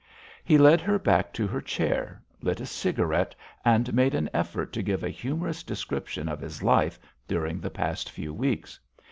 He led her back to her chair, lit a cigarette, and made an effort to give a humorous description of his life during the past few weeks.